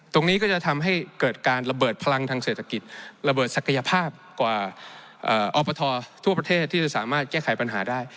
ตรงนี้ก็จะทำให้เกิดการระเบิดพลังทางเศรษฐกิจระเบิดศักยภาพกว่าอบททั่วประเทศที่จะสามารถแก้ไขปัญหาได้